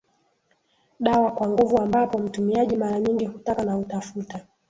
dawa kwa nguvu ambapo mtumiaji mara nyingi hutaka na hutafuta